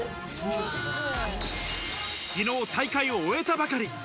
昨日大会を終えたばかり。